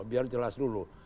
biar jelas dulu